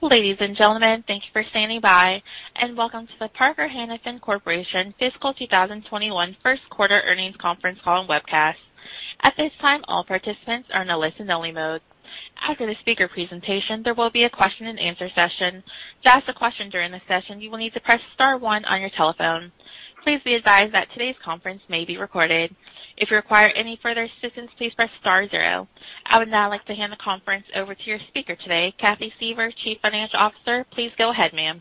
Ladies and gentlemen, thank you for standing by, and welcome to the Parker-Hannifin Corporation Fiscal 2021 First Quarter Earnings Conference Call and Webcast. At this time, all participants are in a listen-only mode. After the speaker presentation, there will be a question-and-answer session. To ask a question during the session, you will need to press star 1 on your telephone. Please be advised that today's conference may be recorded. If you require any further assistance, please press star zero. I would now like to hand the conference over to your speaker today, Cathy Suever, Chief Financial Officer. Please go ahead, ma'am.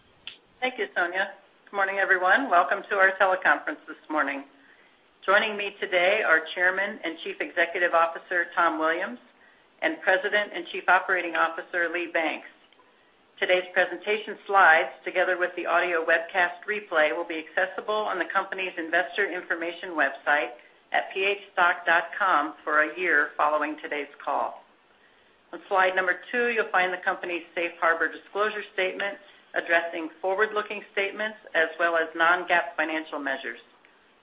Thank you, Sonia. Good morning, everyone. Welcome to our teleconference this morning. Joining me today are Chairman and Chief Executive Officer, Tom Williams, and President and Chief Operating Officer, Lee Banks. Today's presentation slides, together with the audio webcast replay, will be accessible on the company's investor information website at phstock.com for a year following today's call. On slide number two, you'll find the company's safe harbor disclosure statement addressing forward-looking statements, as well as non-GAAP financial measures.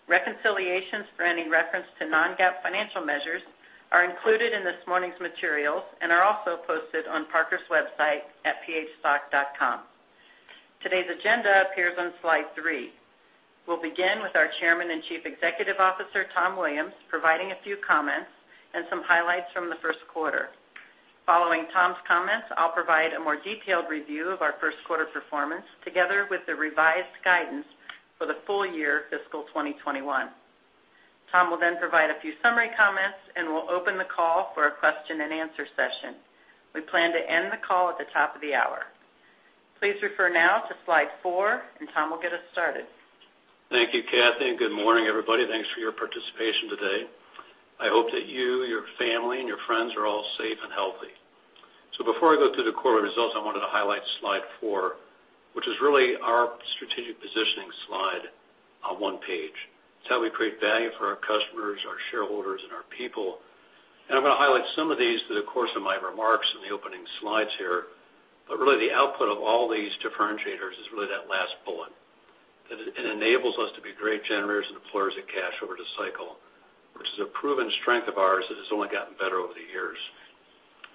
Reconciliations for any reference to non-GAAP financial measures are included in this morning's materials and are also posted on Parker's website at phstock.com. Today's agenda appears on slide three. We'll begin with our Chairman and Chief Executive Officer, Tom Williams, providing a few comments and some highlights from the first quarter. Following Tom's comments, I'll provide a more detailed review of our first quarter performance, together with the revised guidance for the full year fiscal 2021. Tom will then provide a few summary comments, and we'll open the call for a question-and-answer session. We plan to end the call at the top of the hour. Please refer now to slide four, and Tom will get us started. Thank you, Cathy. Good morning, everybody. Thanks for your participation today. I hope that you, your family, and your friends are all safe and healthy. Before I go through the quarter results, I wanted to highlight slide four, which is really our strategic positioning slide on one page. It's how we create value for our customers, our shareholders, and our people. I'm going to highlight some of these through the course of my remarks in the opening slides here. Really, the output of all these differentiators is really that last bullet. It enables us to be great generators and deployers of cash over the cycle, which is a proven strength of ours that has only gotten better over the years.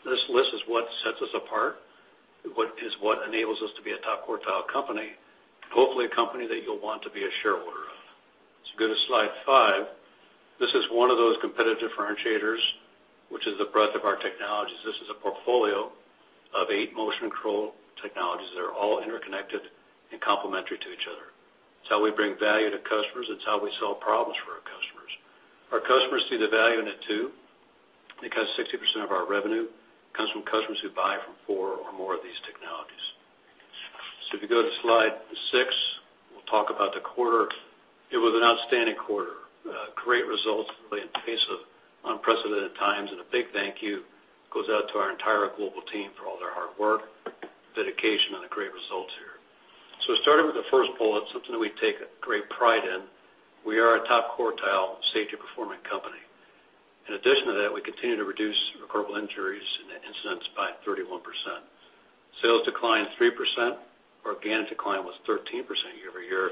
This list is what sets us apart. It is what enables us to be a top quartile company, hopefully a company that you'll want to be a shareholder of. Go to slide five. This is one of those competitive differentiators, which is the breadth of our technologies. This is a portfolio of eight motion control technologies that are all interconnected and complementary to each other. It's how we bring value to customers. It's how we solve problems for our customers. Our customers see the value in it, too, because 60% of our revenue comes from customers who buy from four or more of these technologies. If you go to slide six, we'll talk about the quarter. It was an outstanding quarter. Great results, really, in the face of unprecedented times, and a big thank you goes out to our entire global team for all their hard work, dedication, and the great results here. Starting with the first bullet, something that we take great pride in, we are a top quartile safety-performing company. In addition to that, we continue to reduce recordable injuries and incidents by 31%. Sales declined 3%. Organic decline was 13% year-over-year,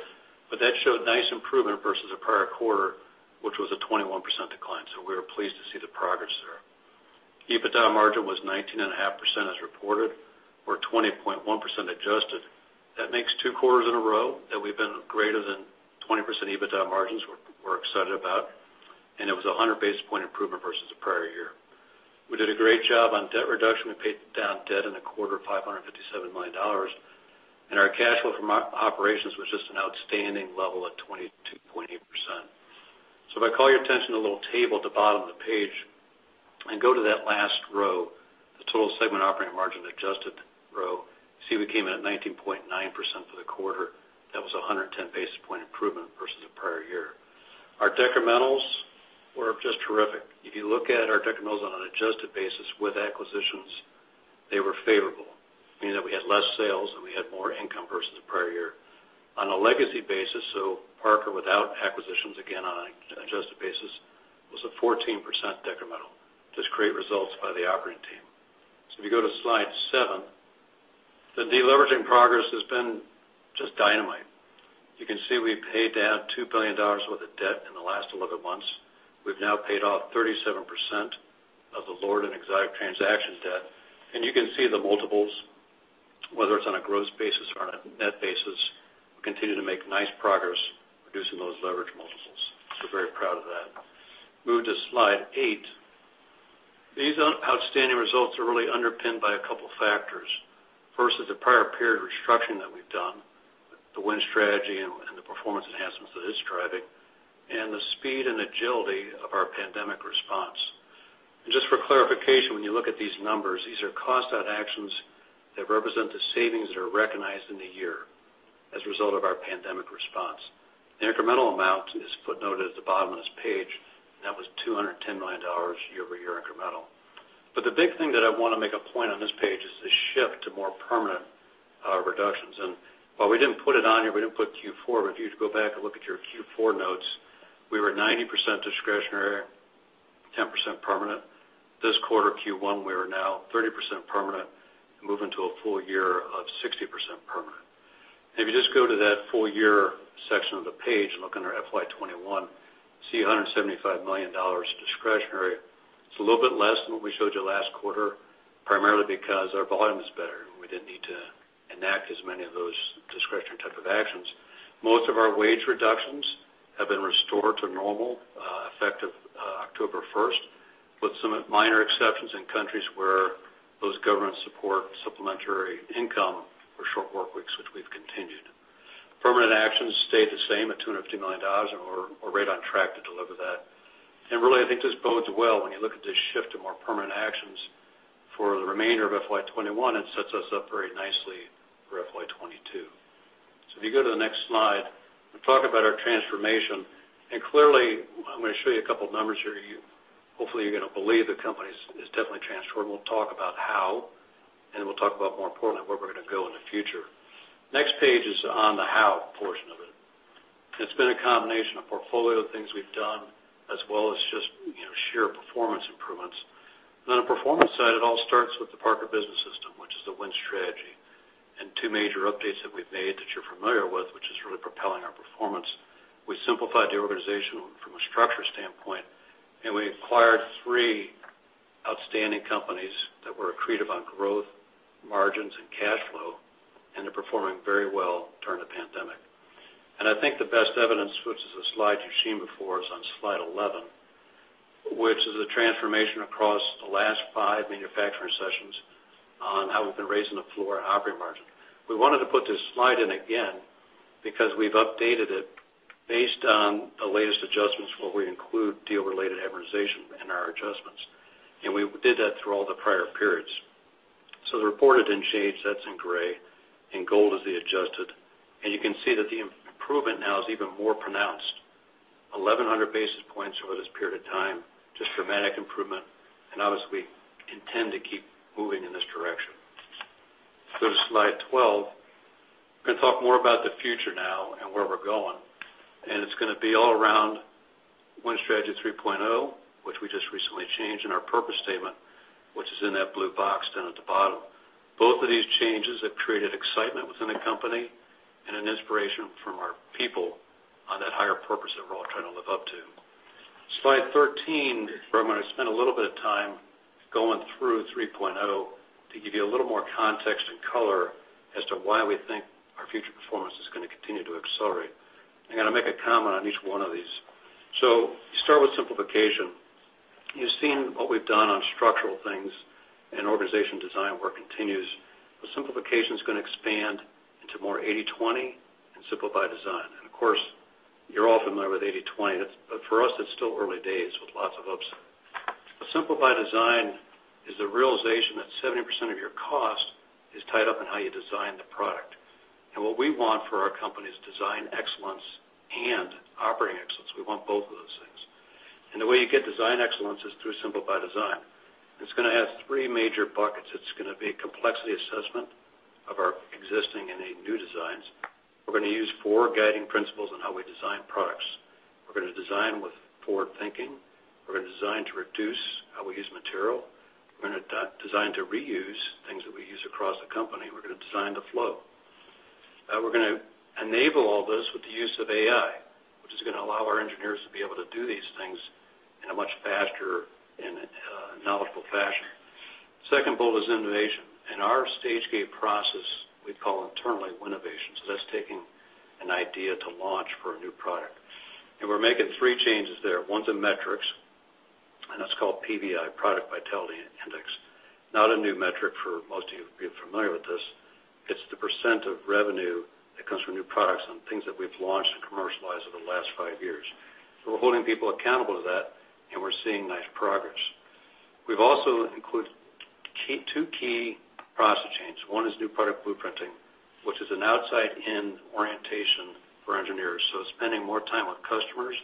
but that showed nice improvement versus the prior quarter, which was a 21% decline. We were pleased to see the progress there. EBITDA margin was 19.5% as reported, or 20.1% adjusted. That makes two quarters in a row that we've been greater than 20% EBITDA margins, we're excited about, and it was a 100-basis point improvement versus the prior year. We did a great job on debt reduction. We paid down debt in the quarter, $557 million. Our cash flow from operations was just an outstanding level at 22.8%. If I call your attention to the little table at the bottom of the page and go to that last row, the total segment operating margin adjusted row, you see we came in at 19.9% for the quarter. That was a 110-basis point improvement versus the prior year. Our decrementals were just terrific. If you look at our decrementals on an adjusted basis with acquisitions, they were favorable, meaning that we had less sales and we had more income versus the prior year. On a legacy basis, Parker without acquisitions, again, on an adjusted basis, was a 14% decremental. Just great results by the operating team. If you go to slide seven, the deleveraging progress has been just dynamite. You can see we paid down $2 billion worth of debt in the last 11 months. We've now paid off 37% of the LORD and Exotic transaction debt. You can see the multiples, whether it's on a gross basis or on a net basis, we continue to make nice progress reducing those leverage multiples. Very proud of that. Move to slide eight. These outstanding results are really underpinned by a couple factors. First is the prior period restructuring that we've done, The Win Strategy and the performance enhancements that it's driving, and the speed and agility of our pandemic response. Just for clarification, when you look at these numbers, these are cost-out actions that represent the savings that are recognized in the year as a result of our pandemic response. The incremental amount is footnoted at the bottom of this page. That was $210 million year-over-year incremental. The big thing that I want to make a point on this page is the shift to more permanent reductions. While we didn't put it on here, we didn't put Q4, but if you go back and look at your Q4 notes, we were at 90% discretionary, 10% permanent. This quarter, Q1, we are now 30% permanent and moving to a full year of 60% permanent. If you just go to that full-year section of the page and look under FY 2021, you see $175 million of discretionary. It's a little bit less than what we showed you last quarter, primarily because our volume is better, and we didn't need to enact as many of those discretionary type of actions. Most of our wage reductions have been restored to normal, effective October 1st, with some minor exceptions in countries where those governments support supplementary income for short workweeks, which we've continued. Permanent actions stayed the same at $250 million, and we're right on track to deliver that. Really, I think this bodes well when you look at this shift to more permanent actions for the remainder of FY 2021, and it sets us up very nicely for FY 2022. If you go to the next slide, we talk about our transformation. Clearly, I'm going to show you a couple of numbers here. Hopefully, you're going to believe the company is definitely transformed. We'll talk about how, and we'll talk about, more importantly, where we're going to go in the future. Next page is on the how portion of it. It's been a combination of portfolio things we've done, as well as just sheer performance improvements. On the performance side, it all starts with the Parker Business System, which is The Win Strategy, and two major updates that we've made that you're familiar with, which is really propelling our performance. We simplified the organization from a structure standpoint, we acquired three outstanding companies that were accretive on growth, margins, and cash flow, and they're performing very well during the pandemic. I think the best evidence, which is a slide you've seen before, is on slide 11, which is a transformation across the last five manufacturing sessions on how we've been raising the floor on operating margin. We wanted to put this slide in again because we've updated it based on the latest adjustments, where we include deal-related amortization in our adjustments. We did that through all the prior periods. The reported in shades, that's in gray, and gold is the adjusted. You can see that the improvement now is even more pronounced, 1,100 basis points over this period of time. Just dramatic improvement, and obviously, we intend to keep moving in this direction. Go to slide 12. We're going to talk more about the future now and where we're going. It's going to be all around The Win Strategy 3.0, which we just recently changed, and our purpose statement, which is in that blue box down at the bottom. Both of these changes have created excitement within the company and an inspiration from our people on that higher purpose that we're all trying to live up to. Slide 13, where I'm going to spend a little bit of time going through 3.0 to give you a little more context and color as to why we think our future performance is going to continue to accelerate. I'm going to make a comment on each one of these. You start with simplification. You've seen what we've done on structural things and organization design work continues. Simplification is going to expand into more 80/20 and Simple by Design. Of course, you're all familiar with 80/20. For us, it's still early days with lots of upside. Simple by Design is the realization that 70% of your cost is tied up in how you design the product. What we want for our company is design excellence and operating excellence. We want both of those things. The way you get design excellence is through Simple by Design. It's going to have three major buckets. It's going to be a complexity assessment of our existing and new designs. We're going to use four guiding principles on how we design products. We're going to design with forward-thinking. We're going to design to reduce how we use material. We're going to design to reuse things that we use across the company. We're going to design to flow. We're going to enable all this with the use of AI, which is going to allow our engineers to be able to do these things in a much faster and knowledgeable fashion. Second bullet is innovation. In our stage gate process, we call internally Winnovation. That's taking an idea to launch for a new product. We're making three changes there. One's in metrics, and that's called PVI, Product Vitality Index. Not a new metric for most of you. You're familiar with this. It's the % of revenue that comes from new products and things that we've launched and commercialized over the last five years. We're holding people accountable to that, and we're seeing nice progress. We've also included two key process changes. One is new product blueprinting, which is an outside-in orientation for engineers. Spending more time with customers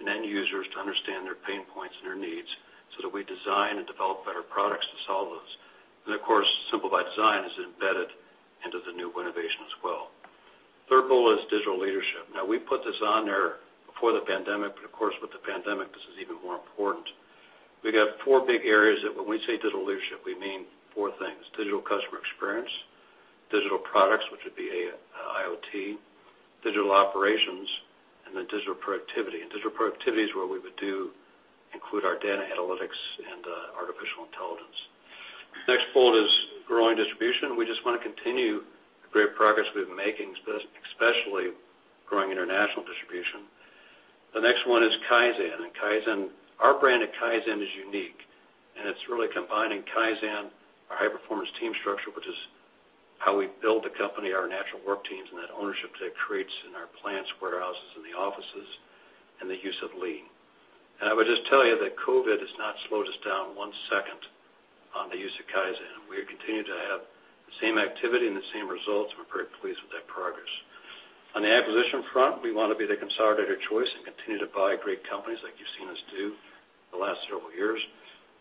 and end users to understand their pain points and their needs so that we design and develop better products to solve those. Of course, Simple by Design is embedded into the new winnovation as well. Third bullet is digital leadership. We put this on there before the pandemic, but of course, with the pandemic, this is even more important. We got four big areas that when we say digital leadership, we mean four things, digital customer experience, digital products, which would be IoT, digital operations, and then digital productivity. Digital productivity is where we would do include our data analytics and artificial intelligence. Next bullet is growing distribution. We just want to continue the great progress we've been making, especially growing international distribution. The next one is Kaizen. Our brand at Kaizen is unique, and it's really combining Kaizen, our high-performance team structure, which is how we build the company, our natural work teams, and that ownership that creates in our plants, warehouses, in the offices, and the use of Lean. I would just tell you that COVID has not slowed us down one second on the use of Kaizen. We continue to have the same activity and the same results. We're very pleased with that progress. On the acquisition front, we want to be the consolidator choice and continue to buy great companies like you've seen us do the last several years.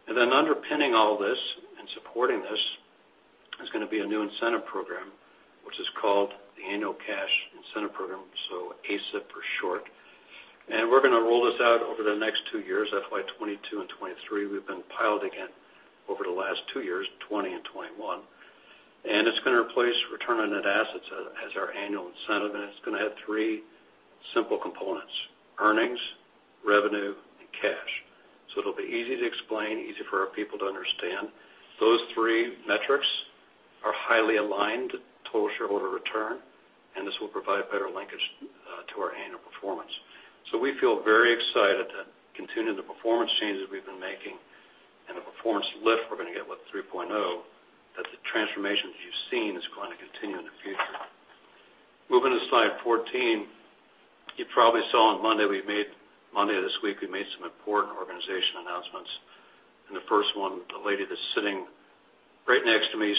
Underpinning all this and supporting this is going to be a new incentive program, which is called the Annual Cash Incentive Program, so ACIP for short. We're going to roll this out over the next two years, FY 2022 and 2023. We've been piloting it over the last 2 years, 2020 and 2021. It's going to replace return on net assets as our annual incentive, it's going to have three simple components, earnings, revenue, and cash. It'll be easy to explain, easy for our people to understand. Those three metrics are highly aligned, total shareholder return, this will provide better linkage to our annual performance. We feel very excited to continue the performance changes we've been making and the performance lift we're going to get with 3.0, that the transformations you've seen is going to continue in the future. Moving to slide 14, you probably saw on Monday of this week, we made some important organization announcements. The first one, the lady that's sitting right next to me,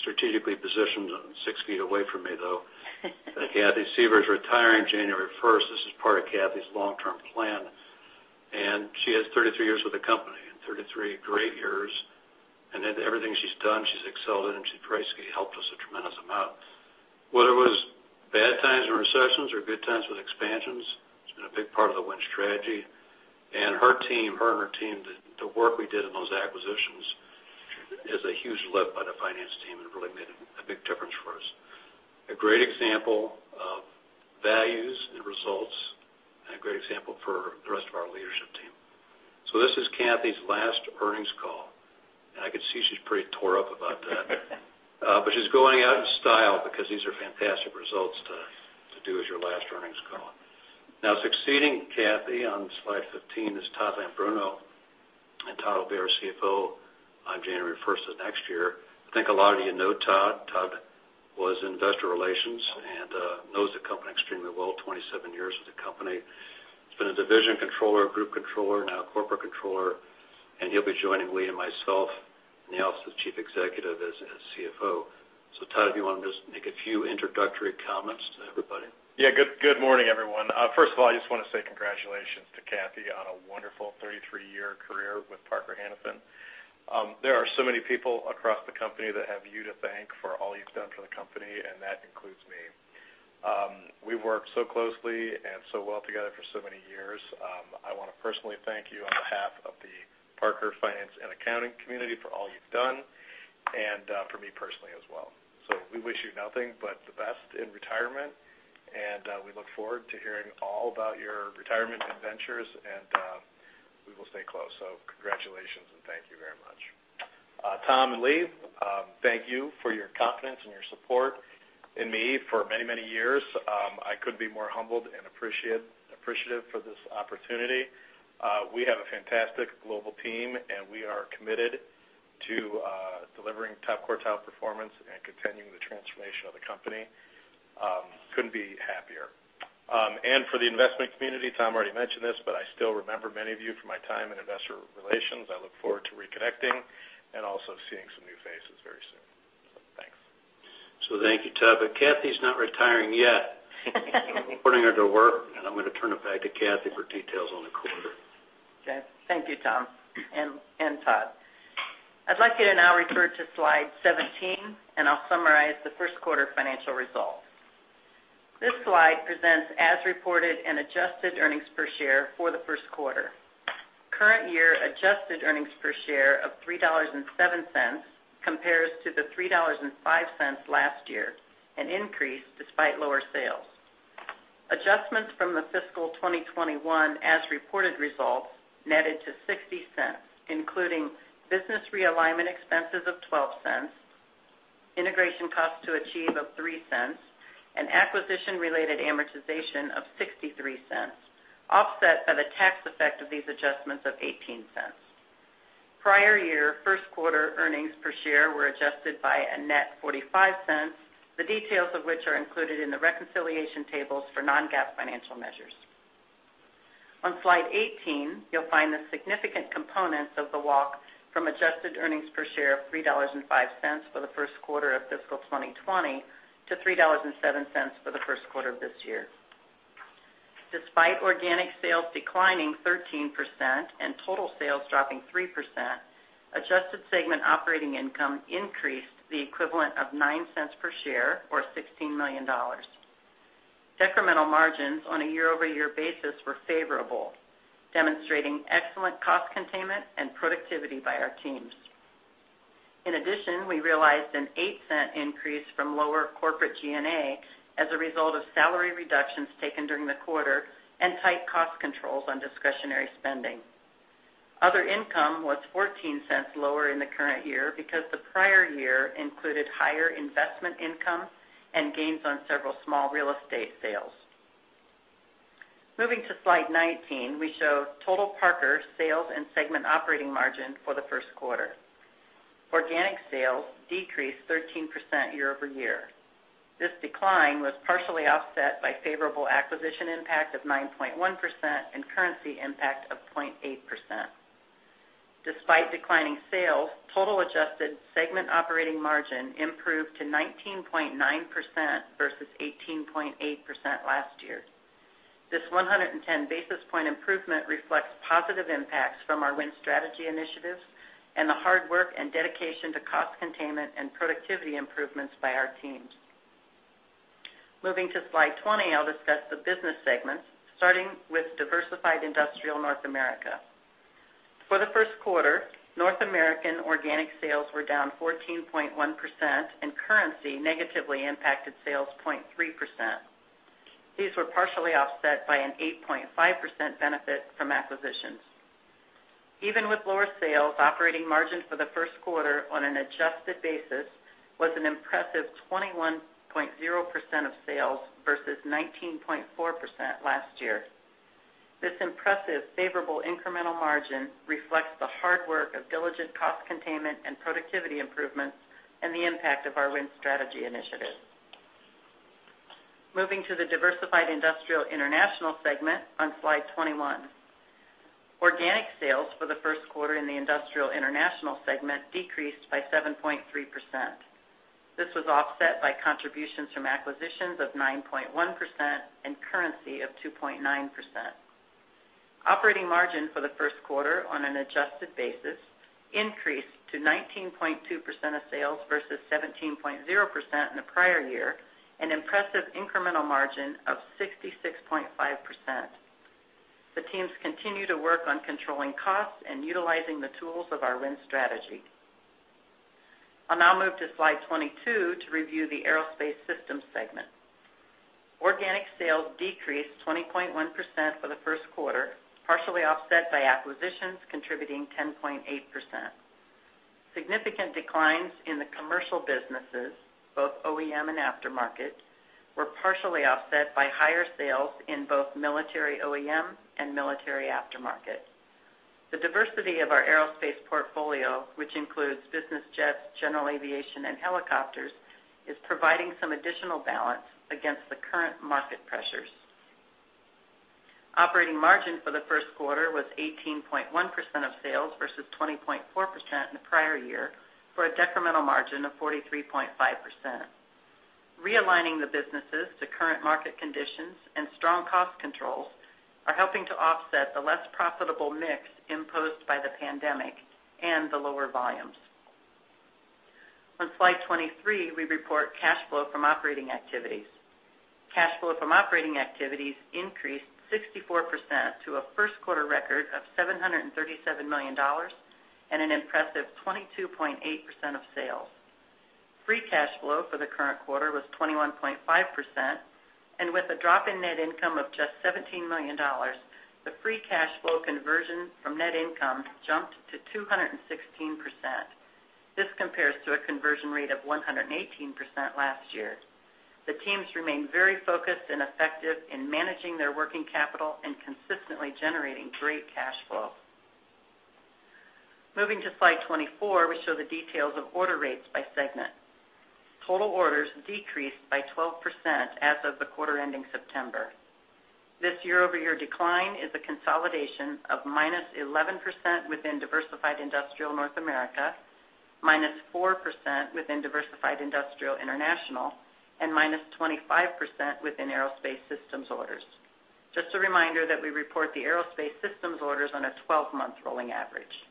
strategically positioned six feet away from me, though. Cathy Suever is retiring January 1st. This is part of Cathy's long-term plan. She has 33 years with the company, and 33 great years. Everything she's done, she's excelled in, and she basically helped us a tremendous amount. Whether it was bad times in recessions or good times with expansions, she's been a big part of The Win Strategy. Her team, her and her team, the work we did in those acquisitions is a huge lift by the finance team and really made a big difference for us. A great example of values and results, and a great example for the rest of our leadership team. This is Cathy's last earnings call, and I can see she's pretty tore up about that. She's going out in style because these are fantastic results to do as your last earnings call. Succeeding Cathy on slide 15 is Todd M. Leombruno, and Todd will be our CFO on January 1st of next year. I think a lot of you know Todd. Todd was in investor relations and knows the company extremely well, 27 years with the company. He's been a division controller, group controller, now corporate controller, and he'll be joining Lee and myself in the office of the Chief Executive as CFO. Todd, do you want to just make a few introductory comments to everybody? Yeah. Good morning, everyone. First of all, I just want to say congratulations to Cathy on a wonderful 33-year career with Parker-Hannifin. There are so many people across the company that have you to thank for all you've done for the company, and that includes me. We've worked so closely and so well together for so many years. I want to personally thank you on behalf of the Parker finance and accounting community for all you've done, and for me personally as well. We wish you nothing but the best in retirement, and we look forward to hearing all about your retirement adventures, and we will stay close. Congratulations and thank you very much. Tom and Lee, thank you for your confidence and your support in me for many, many years. I couldn't be more humbled and appreciative for this opportunity. We have a fantastic global team, and we are committed to delivering top quartile performance and continuing the transformation of the company. Couldn't be happier. For the investment community, Tom already mentioned this, but I still remember many of you from my time in investor relations. I look forward to reconnecting and also seeing some new faces very soon. Thanks. Thank you, Todd. Cathy's not retiring yet. We're putting her to work, and I'm going to turn it back to Cathy for details on the quarter. Okay. Thank you, Tom and Todd. I'd like you to now refer to slide 17, and I'll summarize the first quarter financial results. This slide presents as reported and adjusted earnings per share for the first quarter. Current year adjusted earnings per share of $3.07 compares to the $3.05 last year, an increase despite lower sales. Adjustments from the FY 2021 as-reported results netted to $0.60, including business realignment expenses of $0.12, integration costs to achieve of $0.03, and acquisition-related amortization of $0.63, offset by the tax effect of these adjustments of $0.18. Prior year first quarter earnings per share were adjusted by a net $0.45, the details of which are included in the reconciliation tables for non-GAAP financial measures. On slide 18, you'll find the significant components of the walk from adjusted earnings per share of $3.05 for the first quarter of fiscal 2020 to $3.07 for the first quarter of this year. Despite organic sales declining 13% and total sales dropping 3%, adjusted segment operating income increased the equivalent of $0.09 per share or $16 million. Decremental margins on a year-over-year basis were favorable, demonstrating excellent cost containment and productivity by our teams. We realized an $0.08 increase from lower corporate G&A as a result of salary reductions taken during the quarter and tight cost controls on discretionary spending. Other income was $0.14 lower in the current year because the prior year included higher investment income and gains on several small real estate sales. Moving to slide 19, we show total Parker sales and segment operating margin for the first quarter. Organic sales decreased 13% year-over-year. This decline was partially offset by favorable acquisition impact of 9.1% and currency impact of 0.8%. Despite declining sales, total adjusted segment operating margin improved to 19.9% versus 18.8% last year. This 110 basis point improvement reflects positive impacts from our Win Strategy initiatives and the hard work and dedication to cost containment and productivity improvements by our teams. Moving to slide 20, I'll discuss the business segments, starting with Diversified Industrial North America. For the first quarter, North American organic sales were down 14.1%, and currency negatively impacted sales 0.3%. These were partially offset by an 8.5% benefit from acquisitions. Even with lower sales, operating margin for the first quarter on an adjusted basis was an impressive 21.0% of sales versus 19.4% last year. This impressive favorable incremental margin reflects the hard work of diligent cost containment and productivity improvements and the impact of our Win Strategy initiative. Moving to the Diversified Industrial International segment on Slide 21. Organic sales for the first quarter in the Industrial International segment decreased by 7.3%. This was offset by contributions from acquisitions of 9.1% and currency of 2.9%. Operating margin for the first quarter on an adjusted basis increased to 19.2% of sales versus 17.0% in the prior year, an impressive incremental margin of 66.5%. The teams continue to work on controlling costs and utilizing the tools of our Win Strategy. I'll now move to Slide 22 to review the Aerospace Systems segment. Organic sales decreased 20.1% for the first quarter, partially offset by acquisitions contributing 10.8%. Significant declines in the commercial businesses, both OEM and aftermarket, were partially offset by higher sales in both military OEM and military aftermarket. The diversity of our aerospace portfolio, which includes business jets, general aviation, and helicopters, is providing some additional balance against the current market pressures. Operating margin for the first quarter was 18.1% of sales versus 20.4% in the prior year, for a decremental margin of 43.5%. Realigning the businesses to current market conditions and strong cost controls are helping to offset the less profitable mix imposed by the pandemic and the lower volumes. On Slide 23, we report cash flow from operating activities. Cash flow from operating activities increased 64% to a first quarter record of $737 million and an impressive 22.8% of sales. Free cash flow for the current quarter was 21.5%. With a drop in net income of just $17 million, the free cash flow conversion from net income jumped to 216%. This compares to a conversion rate of 118% last year. The teams remain very focused and effective in managing their working capital and consistently generating great cash flow. Moving to Slide 24, we show the details of order rates by segment. Total orders decreased by 12% as of the quarter ending September. This year-over-year decline is a consolidation of -11% within Diversified Industrial North America, -4% within Diversified Industrial International, and -25% within Aerospace Systems orders. Just a reminder that we report the Aerospace Systems orders on a 12-month rolling average.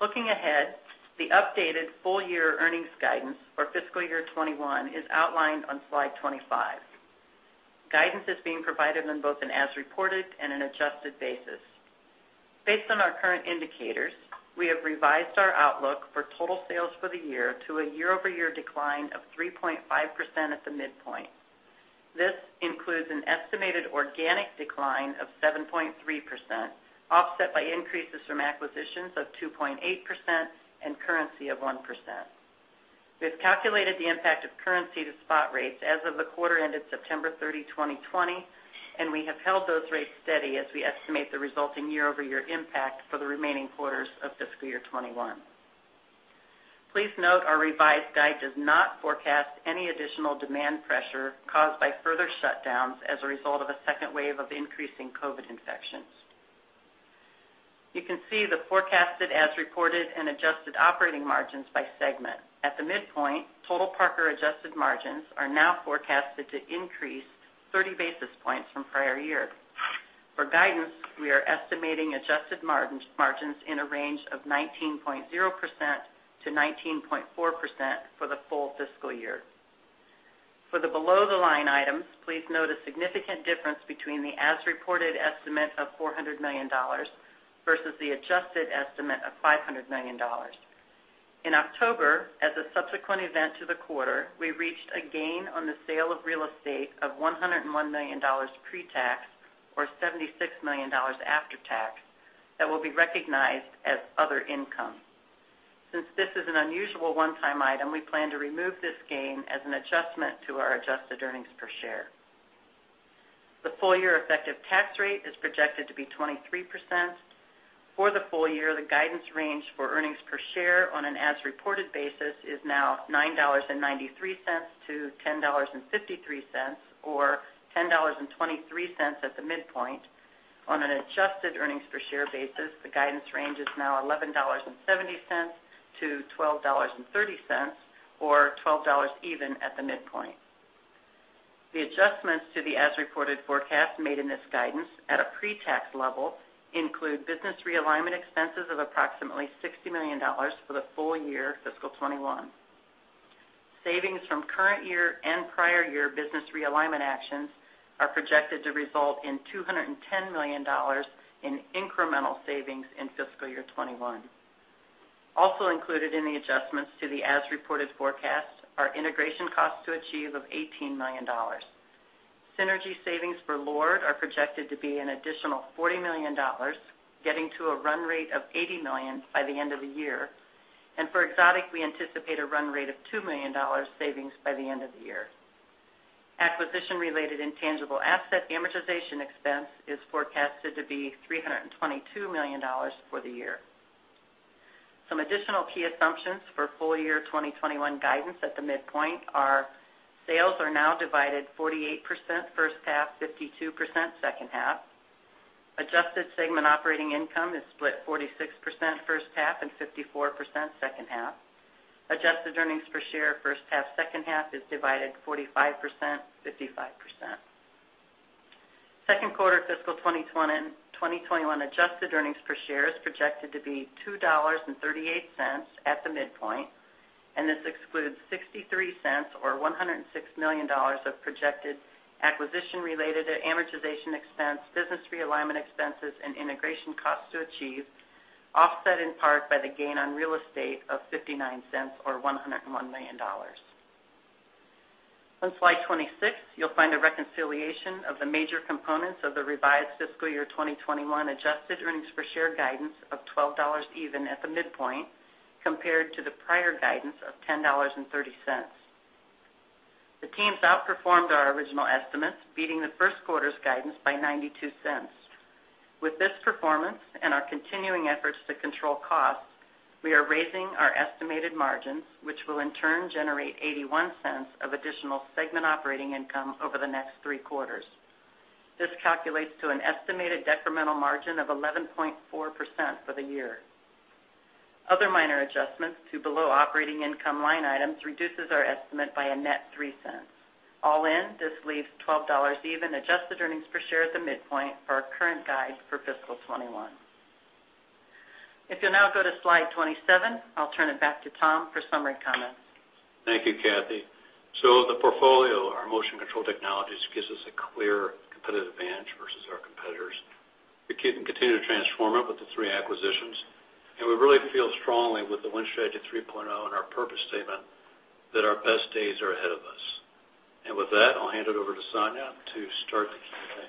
Looking ahead, the updated full-year earnings guidance for fiscal year 2021 is outlined on Slide 25. Guidance is being provided on both an as reported and an adjusted basis. Based on our current indicators, we have revised our outlook for total sales for the year to a year-over-year decline of 3.5% at the midpoint. This includes an estimated organic decline of 7.3%, offset by increases from acquisitions of 2.8% and currency of 1%. We have calculated the impact of currency to spot rates as of the quarter ended September 30, 2020, and we have held those rates steady as we estimate the resulting year-over-year impact for the remaining quarters of fiscal year 2021. Please note our revised guide does not forecast any additional demand pressure caused by further shutdowns as a result of a second wave of increasing COVID infections. You can see the forecasted as reported and adjusted operating margins by segment. At the midpoint, total Parker adjusted margins are now forecasted to increase 30 basis points from prior year. For guidance, we are estimating adjusted margins in a range of 19.0%-19.4% for the full fiscal year. For the below the line items, please note a significant difference between the as reported estimate of $400 million versus the adjusted estimate of $500 million. In October, as a subsequent event to the quarter, we reached a gain on the sale of real estate of $101 million pre-tax, or $76 million after tax, that will be recognized as other income. Since this is an unusual one-time item, we plan to remove this gain as an adjustment to our adjusted earnings per share. The full-year effective tax rate is projected to be 23%. For the full year, the guidance range for earnings per share on an as reported basis is now $9.93-$10.53, or $10.23 at the midpoint. On an adjusted earnings per share basis, the guidance range is now $11.70-$12.30, or $12 even at the midpoint. The adjustments to the as-reported forecast made in this guidance at a pre-tax level include business realignment expenses of approximately $60 million for the full year fiscal 2021. Savings from current year and prior year business realignment actions are projected to result in $210 million in incremental savings in fiscal year 2021. Also included in the adjustments to the as-reported forecasts are integration costs to achieve of $18 million. Synergy savings for LORD are projected to be an additional $40 million, getting to a run rate of $80 million by the end of the year. For Exotic, we anticipate a run rate of $2 million savings by the end of the year. Acquisition-related intangible asset amortization expense is forecasted to be $322 million for the year. Some additional key assumptions for full year 2021 guidance at the midpoint are, sales are now divided 48% first half, 52% second half. Adjusted segment operating income is split 46% first half and 54% second half. Adjusted earnings per share first half, second half is divided 45%, 55%. Second quarter fiscal 2021 adjusted earnings per share is projected to be $2.38 at the midpoint, and this excludes $0.63, or $106 million, of projected acquisition-related amortization expense, business realignment expenses, and integration costs to achieve, offset in part by the gain on real estate of $0.59, or $101 million. On slide 26, you'll find a reconciliation of the major components of the revised fiscal year 2021 adjusted earnings-per-share guidance of $12 even at the midpoint, compared to the prior guidance of $10.30. The teams outperformed our original estimates, beating the first quarter's guidance by $0.92. With this performance and our continuing efforts to control costs, we are raising our estimated margins, which will in turn generate $0.81 of additional segment operating income over the next three quarters. This calculates to an estimated decremental margin of 11.4% for the year. Other minor adjustments to below operating income line items reduces our estimate by a net $0.03. All in, this leaves $12 even adjusted earnings per share at the midpoint for our current guide for fiscal 2021. If you'll now go to slide 27, I'll turn it back to Tom for summary comments. Thank you, Cathy. The portfolio, our motion control technologies, gives us a clear competitive advantage versus our competitors. We keep continuing to transform it with the three acquisitions, and we really feel strongly with The Win Strategy 3.0 and our purpose statement that our best days are ahead of us. With that, I'll hand it over to Sonia to start the Q&A.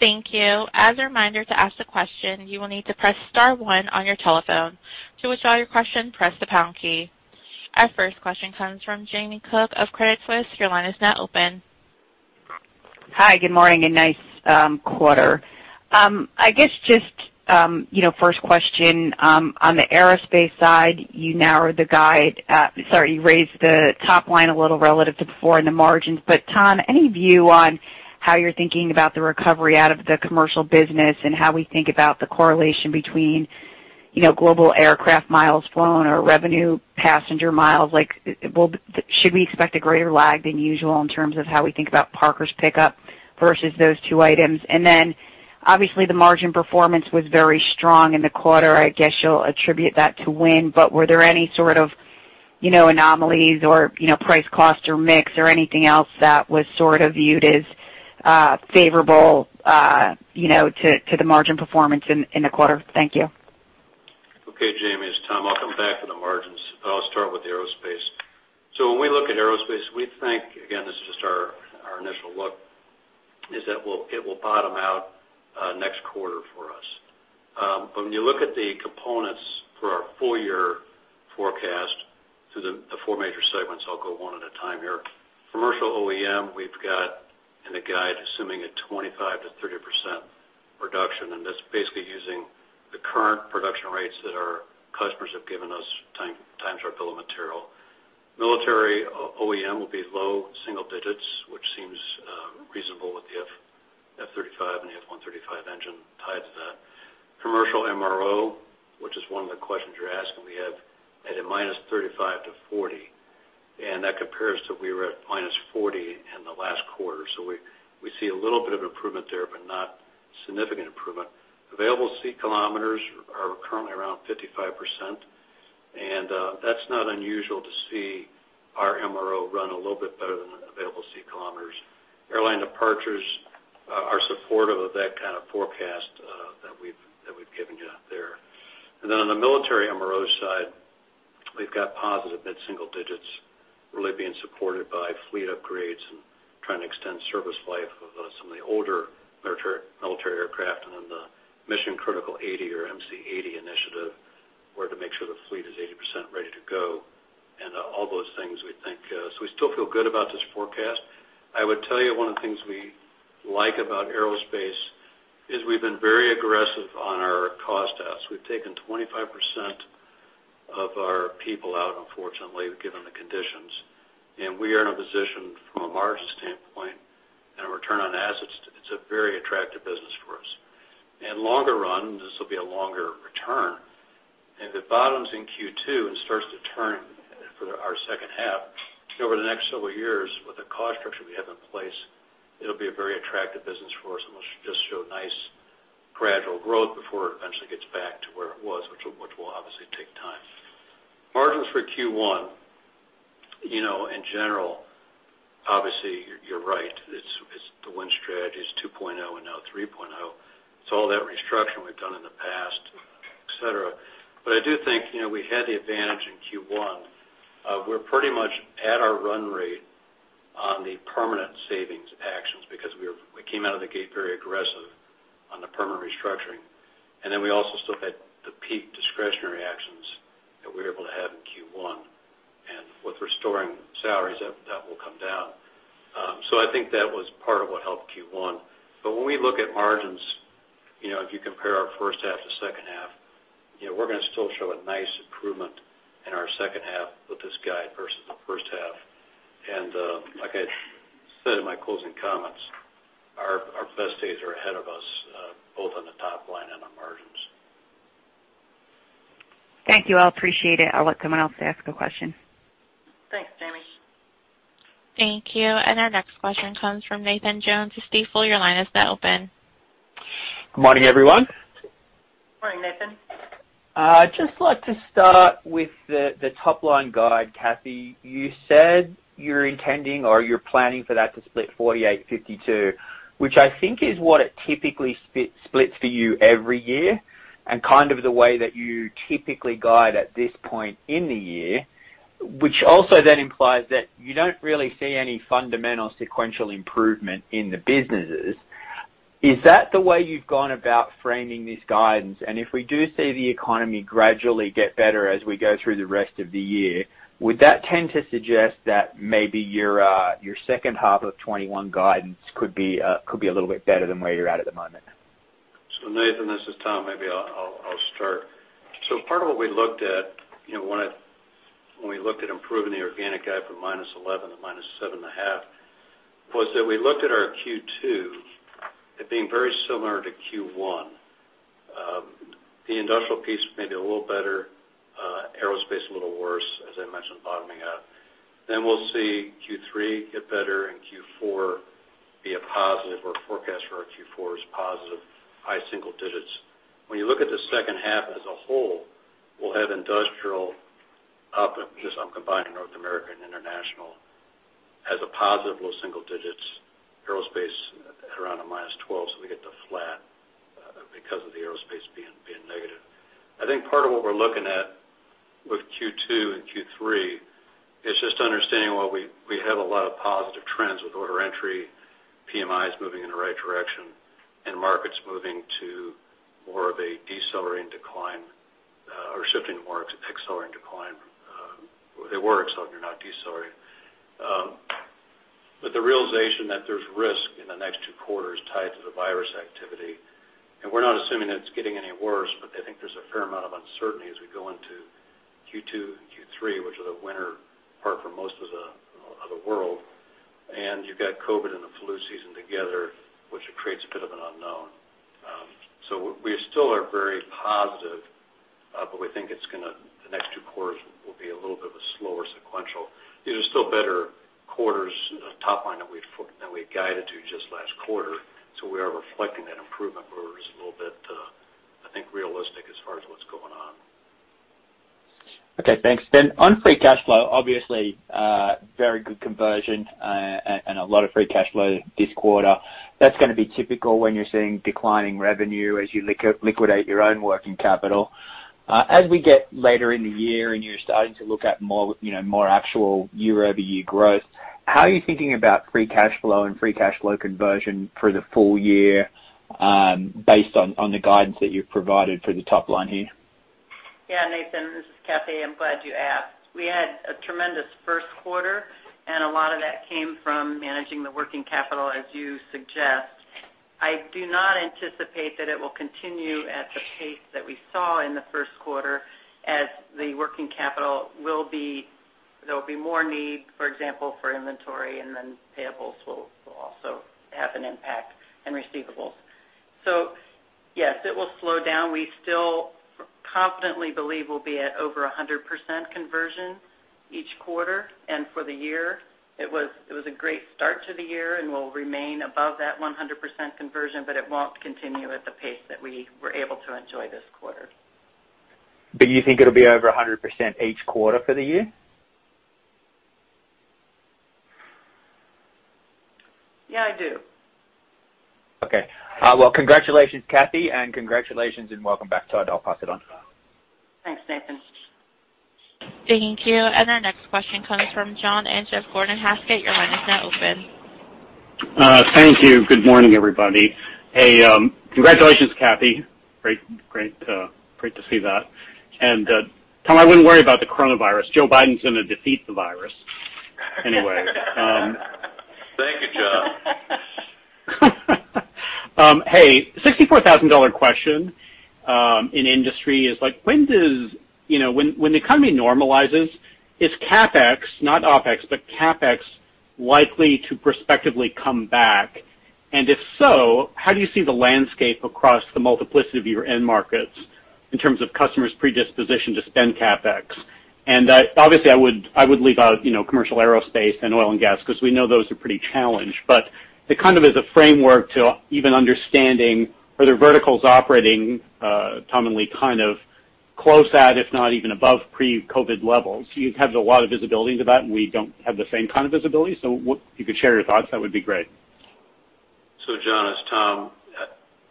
Thank you. As a reminder, to ask a question, you will need to press star one on your telephone. To withdraw your question, press the hash key. Our first question comes from Jamie Cook of Credit Suisse. Your line is now open. Hi, good morning, and nice quarter. I guess just first question, on the Aerospace side, you raised the top line a little relative to before in the margins. Tom, any view on how you're thinking about the recovery out of the commercial business and how we think about the correlation between global aircraft miles flown or revenue passenger miles? Should we expect a greater lag than usual in terms of how we think about Parker's pickup versus those two items? Obviously, the margin performance was very strong in the quarter. I guess you'll attribute that to Win, were there any sort of anomalies or price, cost or mix or anything else that was sort of viewed as favorable to the margin performance in the quarter? Thank you. Okay, Jamie, it's Tom. I'll come back to the margins, but I'll start with the aerospace. When we look at aerospace, we think, again, this is just our initial look, is that it will bottom out next quarter for us. When you look at the components for our full year forecast through the four major segments, I'll go one at a time here. Commercial OEM, we've got in the guide assuming a 25%-30% reduction, and that's basically using the current production rates that our customers have given us times our bill of material. Military OEM will be low single digits, which seems reasonable with the F-35 and the F135 engine tied to that. Commercial MRO, which is one of the questions you're asking, we have at a -35%--40%, and that compares to we were at -40% in the last quarter. We see a little bit of improvement there, but not significant improvement, available Seat Kilometers are currently around 55%, that's not unusual to see our MRO run a little bit better than the Available Seat Kilometers. Airline departures are supportive of that kind of forecast that we've given you there. On the military MRO side, we've got positive mid-single digits really being supported by fleet upgrades and trying to extend service life of some of the older military aircraft and then the Mission Critical 80 or MC80 initiative, where to make sure the fleet is 80% ready to go and all those things we think. We still feel good about this forecast. I would tell you one of the things we like about aerospace is we've been very aggressive on our cost outs. We've taken 25% of our people out, unfortunately, given the conditions, and we are in a position. A very attractive business for us. Longer run, this will be a longer return. If it bottoms in Q2 and starts to turn for our second half, over the next several years, with the cost structure we have in place, it'll be a very attractive business for us, and will just show nice gradual growth before it eventually gets back to where it was, which will obviously take time. Margins for Q1, in general, obviously, you're right. The Win Strategy is 2.0 and now 3.0, so all that restructuring we've done in the past, et cetera. I do think, we had the advantage in Q1. We're pretty much at our run rate on the permanent savings actions because we came out of the gate very aggressive on the permanent restructuring. Then we also still had the peak discretionary actions that we were able to have in Q1. With restoring salaries, that will come down. I think that was part of what helped Q1. When we look at margins, if you compare our first half to second half, we're going to still show a nice improvement in our second half with this guide versus the first half. Like I said in my closing comments, our best days are ahead of us, both on the top line and on margins. Thank you. I appreciate it. I'll let someone else ask a question. Thanks, Jamie. Thank you. Our next question comes from Nathan Jones of Stifel. Your line is now open. Good morning, everyone. Morning, Nathan. I'd just like to start with the top-line guide, Cathy. You said you're intending or you're planning for that to split 48/52, which I think is what it typically splits for you every year, and kind of the way that you typically guide at this point in the year, which also then implies that you don't really see any fundamental sequential improvement in the businesses. Is that the way you've gone about framing this guidance? If we do see the economy gradually get better as we go through the rest of the year, would that tend to suggest that maybe your second half of 2021 guidance could be a little bit better than where you're at at the moment? Nathan, this is Tom. Maybe I'll start. Part of what we looked at when we looked at improving the organic guide from -11--7.5, was that we looked at our Q2 as being very similar to Q1. The industrial piece may be a little better, aerospace a little worse, as I mentioned, bottoming out. We'll see Q3 get better and Q4 be a positive, or forecast for our Q4 is positive, high single digits. When you look at the second half as a whole, we'll have industrial up, because I'm combining North America and international, as a positive low single digits. Aerospace around a -12, so we get to flat, because of the aerospace being negative. I think part of what we're looking at with Q2 and Q3 is just understanding while we have a lot of positive trends with order entry, PMIs moving in the right direction, and markets moving to more of a decelerating decline, or shifting more to accelerating decline. They were accelerating, not decelerating. The realization that there's risk in the next two quarters tied to the virus activity, we're not assuming that it's getting any worse, I think there's a fair amount of uncertainty as we go into Q2 and Q3, which are the winter part for most of the world. You've got COVID and the flu season together, which creates a bit of an unknown. We still are very positive, we think the next two quarters will be a little bit of a slower sequential. These are still better quarters, top line that we had guided to just last quarter, so we are reflecting that improvement, but we're just a little bit, I think, realistic as far as what's going on. Okay, thanks. On free cash flow, obviously, very good conversion, and a lot of free cash flow this quarter. That's going to be typical when you're seeing declining revenue as you liquidate your own working capital. As we get later in the year and you're starting to look at more actual year-over-year growth, how are you thinking about free cash flow and free cash flow conversion for the full year, based on the guidance that you've provided for the top line here? Yeah, Nathan, this is Cathy. I'm glad you asked. We had a tremendous first quarter. A lot of that came from managing the working capital, as you suggest. I do not anticipate that it will continue at the pace that we saw in the first quarter as the working capital will be, there'll be more need, for example, for inventory, and then payables will also have an impact, and receivables. Yes, it will slow down. We still confidently believe we'll be at over 100% conversson each quarter. For the year, it was a great start to the year and will remain above that 100% conversion, but it won't continue at the pace that we were able to enjoy this quarter. You think it'll be over 100% each quarter for the year? Yeah, I do. Okay. Well, congratulations, Cathy, and congratulations and welcome back, Todd. I'll pass it on. Thanks, Nathan. Thank you. Our next question comes from John at Gordon Haskett. Your line is now open. Thank you. Good morning, everybody. Hey, congratulations, Cathy. Great to see that. Tom, I wouldn't worry about the coronavirus. Joe Biden's gonna defeat the virus anyway. Thank you, John. Hey, 64,000 question in industry is like, when the economy normalizes, is CapEx, not OpEx, but CapEx likely to prospectively come back? If so, how do you see the landscape across the multiplicity of your end markets in terms of customers' predisposition to spend CapEx? Obviously, I would leave out commercial aerospace and oil and gas, because we know those are pretty challenged. It kind of is a framework to even understanding, are there verticals operating commonly kind of close at, if not even above pre-COVID levels? You'd have a lot of visibility into that, and we don't have the same kind of visibility. If you could share your thoughts, that would be great. John, it's Tom.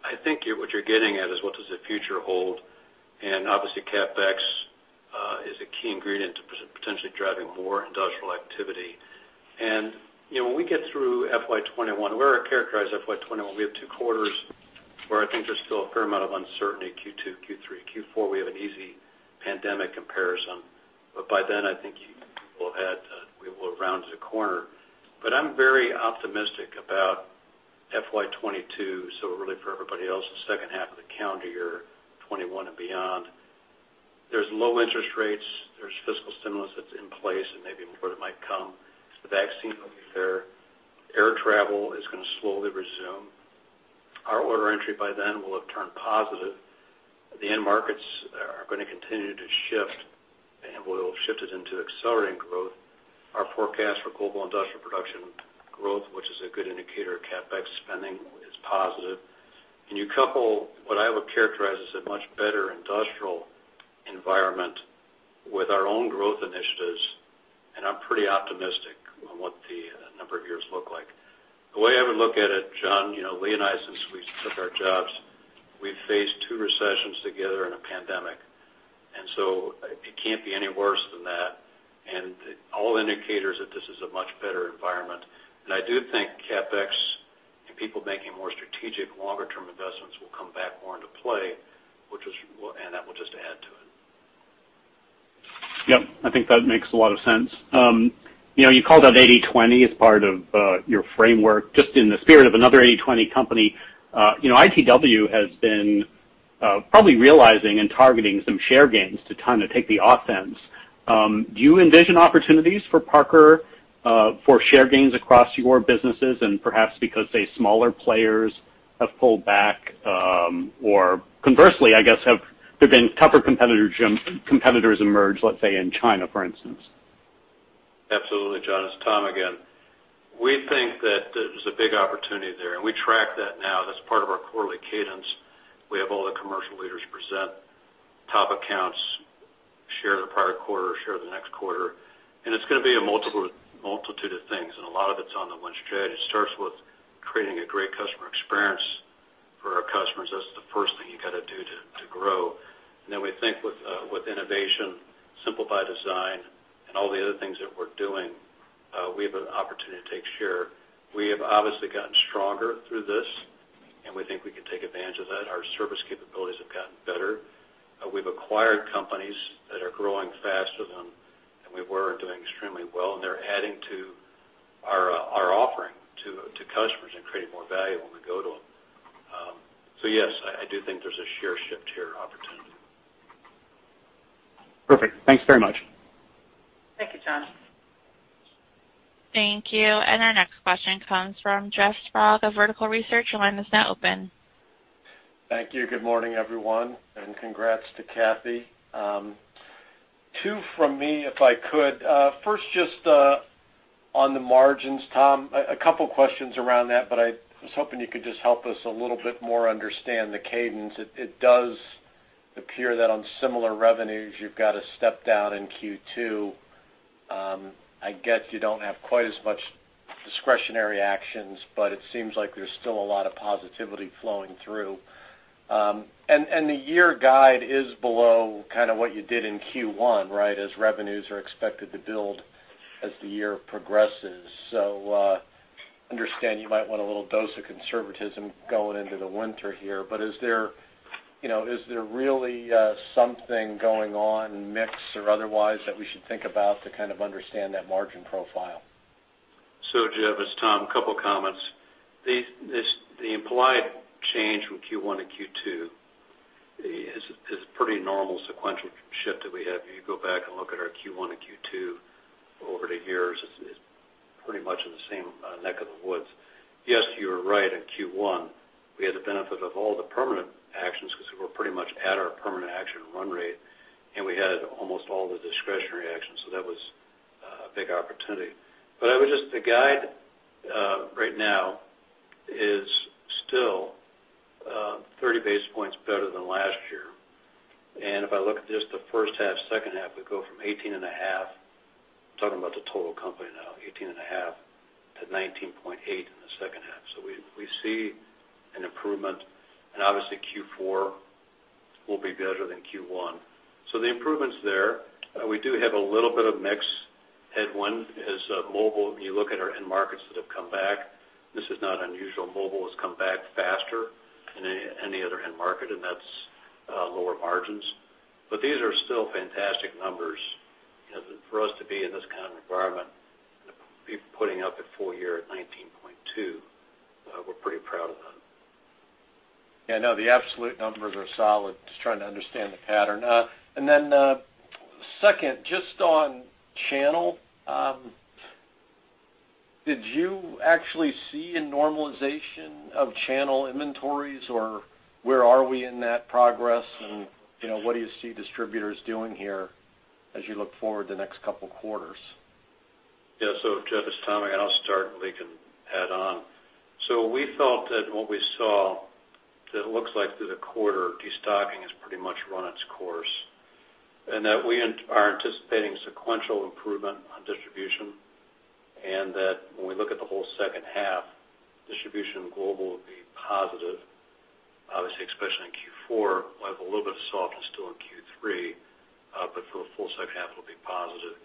I think what you're getting at is what does the future hold? Obviously, CapEx is a key ingredient to potentially driving more industrial activity. When we get through FY 2021, the way I characterize FY 2021, we have two quarters where I think there's still a fair amount of uncertainty, Q2, Q3. Q4, we have an easy pandemic comparison. By then, I think we will have rounded a corner. I'm very optimistic about FY 2022, so really for everybody else, the second half of the calendar year 2021 and beyond. There's low interest rates, there's fiscal stimulus that's in place and maybe more that might come. The vaccine will be there. Air travel is going to slowly resume. Our order entry by then will have turned positive. The end markets are going to continue to shift, and we'll shift it into accelerating growth. Our forecast for global industrial production growth, which is a good indicator of CapEx spending, is positive. You couple what I would characterize as a much better industrial environment with our own growth initiatives, and I'm pretty optimistic on what the number of years look like. The way I would look at it, John, Lee and I, since we took our jobs, we've faced two recessions together and a pandemic, it can't be any worse than that. All indicators that this is a much better environment. I do think CapEx and people making more strategic, longer-term investments will come back more into play, and that will just add to it. Yep. I think that makes a lot of sense. You called out 80/20 as part of your framework. Just in the spirit of another 80/20 company, ITW has been probably realizing and targeting some share gains to kind of take the offense. Do you envision opportunities for Parker for share gains across your businesses and perhaps because, say, smaller players have pulled back? Or conversely, I guess, have there been tougher competitors emerge, let's say, in China, for instance? Absolutely, John. It's Tom again. We think that there's a big opportunity there, and we track that now. That's part of our quarterly cadence. We have all the commercial leaders present top accounts, share the prior quarter, share the next quarter, and it's going to be a multitude of things, and a lot of it's on The Win Strategy. It starts with creating a great customer experience for our customers. That's the first thing you got to do to grow. Then we think with innovation, Simple by Design, and all the other things that we're doing, we have an opportunity to take share. We have obviously gotten stronger through this, and we think we can take advantage of that. Our service capabilities have gotten better. We've acquired companies that are growing faster than we were and doing extremely well, and they're adding to our offering to customers and creating more value when we go to them. Yes, I do think there's a share shift here opportunity. Perfect. Thanks very much. Thank you, John. Thank you. Our next question comes from Jeff Sprague of Vertical Research. Your line is now open. Thank you. Good morning, everyone, and congrats to Cathy. Two from me, if I could. First, just on the margins, Tom, a couple of questions around that. I was hoping you could just help us a little bit more understand the cadence. It does appear that on similar revenues, you've got a step down in Q2. I get you don't have quite as much discretionary actions. It seems like there's still a lot of positivity flowing through. The year guide is below kind of what you did in Q1, right? As revenues are expected to build as the year progresses. Understand you might want a little dose of conservatism going into the winter here. Is there really something going on, mix or otherwise, that we should think about to kind of understand that margin profile? Jeff, it's Tom. Couple of comments. The implied change from Q1-Q2 is a pretty normal sequential shift that we have. You go back and look at our Q1 and Q2 over the years, it's pretty much in the same neck of the woods. Yes, you are right. In Q1, we had the benefit of all the permanent actions because we were pretty much at our permanent action run rate, and we had almost all the discretionary actions, so that was a big opportunity. The guide right now is still 30 basis points better than last year. If I look at just the first half, second half, we go from 18.5%, talking about the total company now, 18.5%-19.8% in the second half. We see an improvement, and obviously Q4 will be better than Q1. The improvement's there. We do have a little bit of mix headwind as mobile, you look at our end markets that have come back, this is not unusual. Mobile has come back faster than any other end market, that's lower margins. These are still fantastic numbers for us to be in this kind of environment, putting up a full year at 19.2%. We're pretty proud of that. Yeah, no, the absolute numbers are solid. Second, just on channel, did you actually see a normalization of channel inventories, or where are we in that progress? What do you see distributors doing here as you look forward the next couple quarters? Yeah. Jeff, it's Tom, and I'll start, and Lee can add on. We felt that what we saw, that it looks like through the quarter, de-stocking has pretty much run its course, and that we are anticipating sequential improvement on distribution, and that when we look at the whole second half, distribution global will be positive. Obviously, especially in Q4. We'll have a little bit of softness still in Q3, but for the full second half, it'll be positive.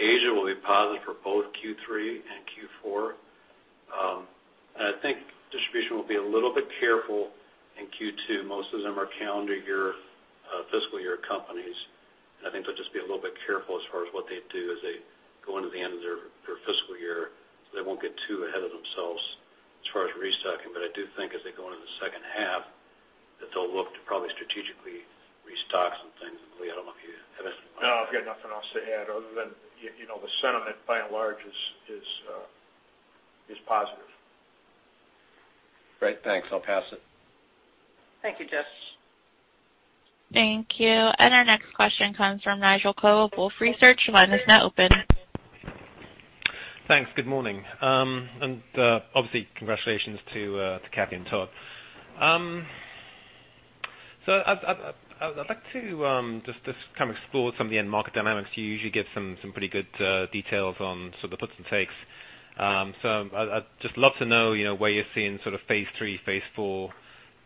Asia will be positive for both Q3 and Q4. I think distribution will be a little bit careful in Q2. Most of them are calendar year, fiscal year companies, and I think they'll just be a little bit careful as far as what they do as they go into the end of their fiscal year, so they won't get too ahead of themselves as far as restocking. I do think as they go into the second half, that they'll look to probably strategically restock some things. Lee, I don't know if you have anything to add. No, I've got nothing else to add other than the sentiment by and large is positive. Great. Thanks, I'll pass it. Thank you, Jeff. Thank you. Our next question comes from Nigel Coe of Wolfe Research. Your line is now open. Thanks. Good morning. Obviously, congratulations to Cathy and Todd. I'd like to just kind of explore some of the end market dynamics. You usually give some pretty good details on sort of the puts and takes. I'd just love to know where you're seeing sort of phase III, phase IV,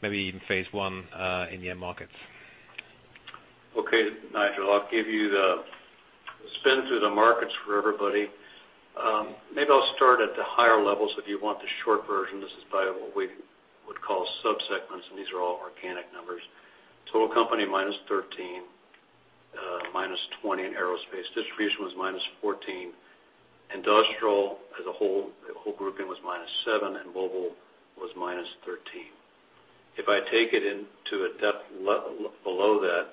maybe even phase I, in the end markets. Okay, Nigel, I'll give you the spin through the markets for everybody. Maybe I'll start at the higher levels if you want the short version. This is by what we would call sub-segments, and these are all organic numbers. Total company, -13%. -20% in aerospace. Distribution was -14%. Industrial as a whole grouping was -7%, and mobile was -13%. If I take it into a depth below that,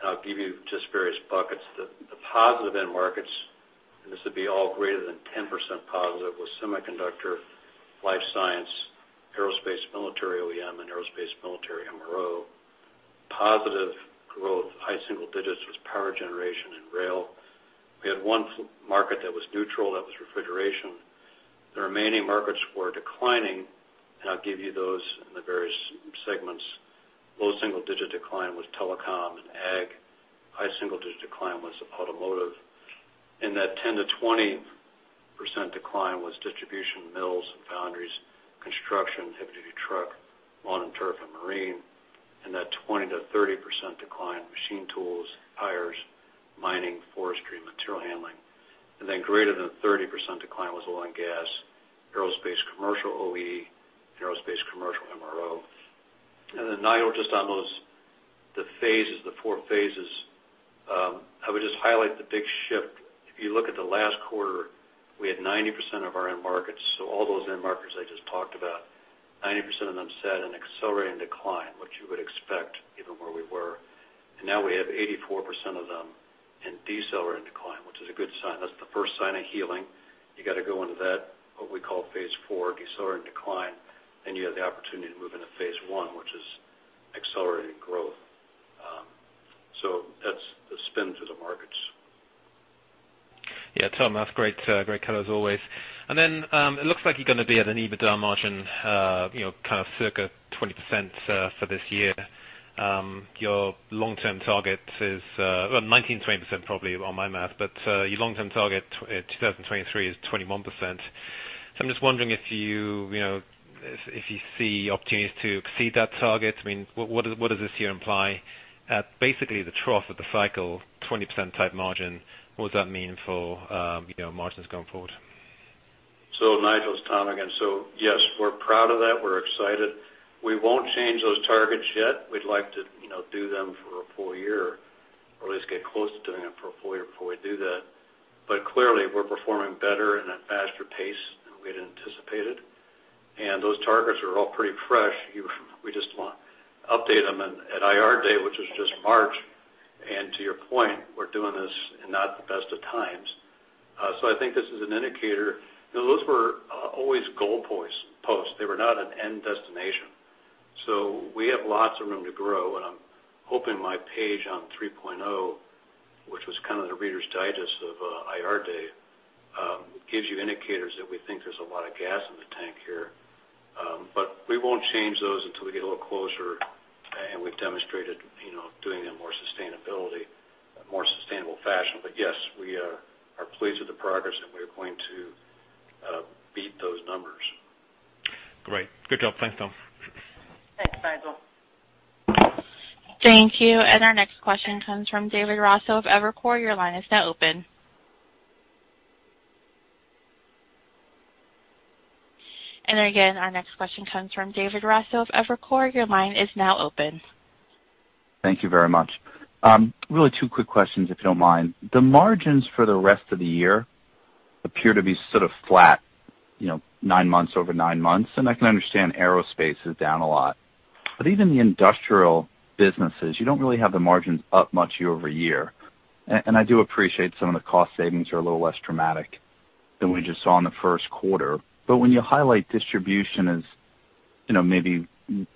and I'll give you just various buckets. The positive end markets, and this would be all greater than 10% positive, was semiconductor, life science, aerospace, military OEM, and aerospace military MRO. Positive growth, high single digits, was power generation and rail. We had one market that was neutral, that was refrigeration. The remaining markets were declining, and I'll give you those in the various segments. Low single-digit decline was telecom and ag. High single-digit decline was automotive. That 10%-20% decline was distribution mills, foundries, construction, heavy-duty truck, lawn and turf, and marine. That 20%-30% decline, machine tools, tires, mining, forestry, material handling. Greater than 30% decline was oil and gas, aerospace commercial OE, and aerospace commercial MRO. Nigel, just on those, the four phases, I would just highlight the big shift. If you look at the last quarter, we had 90% of our end markets. All those end markets I just talked about, 90% of them sat in accelerating decline, which you would expect given where we were. Now we have 84% of them in decelerating decline, which is a good sign. That's the first sign of healing. You got to go into that, what we call phase IV, decelerating decline, then you have the opportunity to move into phase I, which is accelerating growth. That's the spin through the markets. Yeah, Tom, that's great color as always. Then, it looks like you're going to be at an EBITDA margin of circa 20% for this year. Your long-term target is, well, 19%, 20%, probably on my math, but your long-term target 2023 is 21%. I'm just wondering if you see opportunities to exceed that target. What does this year imply at basically the trough of the cycle, 20%-type margin? What does that mean for margins going forward? Nigel, it's Tom again. Yes, we're proud of that. We're excited. We won't change those targets yet. We'd like to do them for a full year, or at least get close to doing it for a full year before we do that. Clearly, we're performing better and at a faster pace than we had anticipated. Those targets are all pretty fresh. We just updated them at IR day, which was just March. To your point, we're doing this in not the best of times. I think this is an indicator. Those were always goalposts. They were not an end destination. We have lots of room to grow, and I'm hoping my page on 3.0, which was kind of the reader's digest of IR day, gives you indicators that we think there's a lot of gas in the tank here. We won't change those until we get a little closer, and we've demonstrated doing it in a more sustainable fashion. Yes, we are pleased with the progress, and we are going to beat those numbers. Great. Good job. Thanks, Tom. Thanks, Nigel. Thank you. Our next question comes from David Raso of Evercore. Your line is now open. Again, our next question comes from David Raso of Evercore. Your line is now open. Thank you very much. Really two quick questions, if you don't mind. The margins for the rest of the year appear to be sort of flat, nine months over nine months. I can understand aerospace is down a lot. Even the industrial businesses, you don't really have the margins up much year-over-year. I do appreciate some of the cost savings are a little less dramatic than we just saw in the first quarter. When you highlight distribution as maybe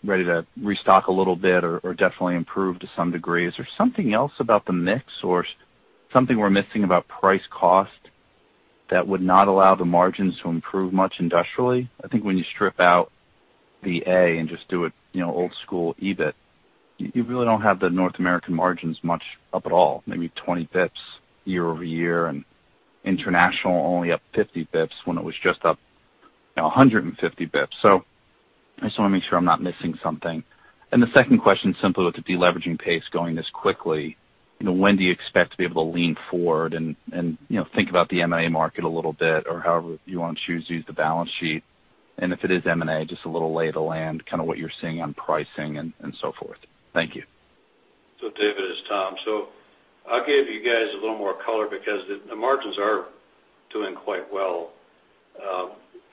ready to restock a little bit or definitely improve to some degree, is there something else about the mix or something we're missing about price cost that would not allow the margins to improve much industrially? I think when you strip out the A and just do it old school EBIT, you really don't have the North American margins much up at all, maybe 20 basis points year-over-year, and international only up 50 basis points when it was just up 150 basis points. I just want to make sure I'm not missing something. The second question, simply with the deleveraging pace going this quickly, when do you expect to be able to lean forward and think about the M&A market a little bit, or however you want to choose to use the balance sheet? If it is M&A, just a little lay of the land, kind of what you're seeing on pricing and so forth. Thank you. David, it's Tom. I'll give you guys a little more color because the margins are doing quite well.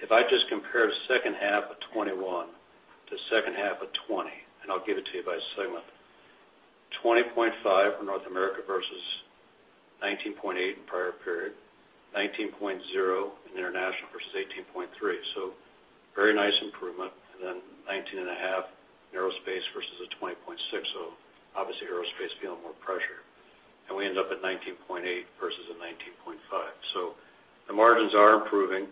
If I just compare the second half of 2021 to second half of 2020, I'll give it to you by segment. 20.5 for Diversified Industrial North America versus 19.8 in the prior period. 19.0 in Diversified Industrial International versus 18.3. Very nice improvement. 19.5 in Aerospace Systems versus a 20.6. Obviously Aerospace Systems is feeling more pressure. We end up at 19.8 versus a 19.5. The margins are improving.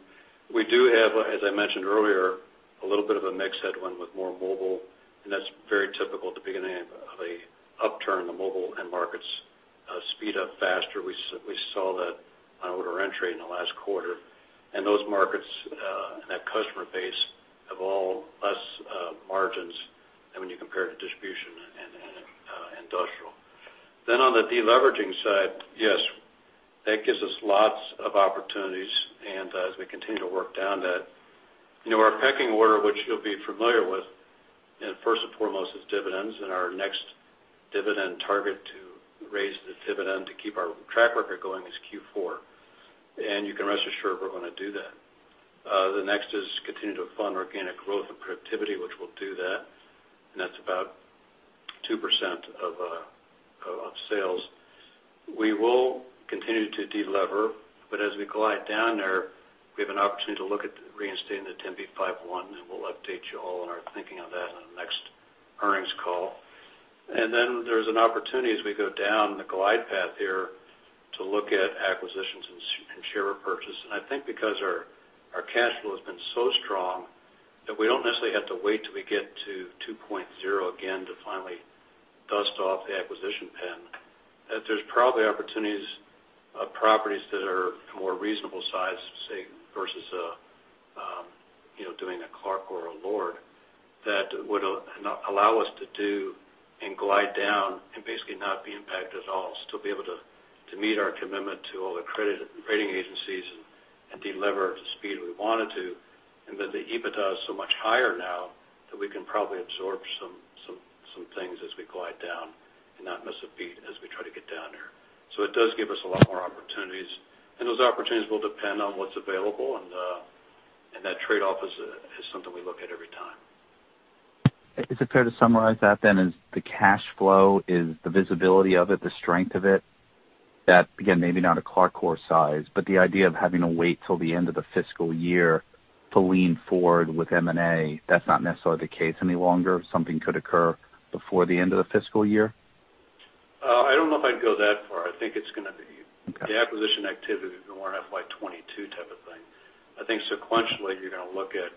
We do have, as I mentioned earlier, a little bit of a mix headwind with more mobile, that's very typical at the beginning of a upturn, the mobile end markets speed up faster. We saw that on order entry in the last quarter. Those markets, and that customer base, have all less margins than when you compare to distribution and industrial. On the deleveraging side, yes, that gives us lots of opportunities, and as we continue to work down that. Our pecking order, which you'll be familiar with, first and foremost is dividends, and our next dividend target to raise the dividend to keep our track record going is Q4. You can rest assured we're going to do that. The next is continue to fund organic growth and productivity, which we'll do that, and that's about 2% of sales. We will continue to delever, as we glide down there, we have an opportunity to look at reinstating the 10b5-1, and we'll update you all on our thinking of that on the next earnings call. There's an opportunity as we go down the glide path here to look at acquisitions and share repurchase. I think because our cash flow has been so strong that we don't necessarily have to wait till we get to 2.0 again to finally dust off the acquisition pen. There's probably opportunities of properties that are a more reasonable size, say, versus doing a CLARCOR or a LORD, that would allow us to do and glide down and basically not be impacted at all. Still be able to meet our commitment to all the rating agencies and delever to the speed we wanted to. The EBITDA is so much higher now that we can probably absorb some things as we glide down and not miss a beat as we try to get down there. It does give us a lot more opportunities, and those opportunities will depend on what's available, and that trade-off is something we look at every time. Is it fair to summarize that as the cash flow is the visibility of it, the strength of it? Again, maybe not a CLARCOR or a LORD size, but the idea of having to wait till the end of the fiscal year to lean forward with M&A, that's not necessarily the case any longer. Something could occur before the end of the fiscal year? I don't know if I'd go that far. Okay. The acquisition activity is more an FY 2022 type of thing. I think sequentially, you're going to look at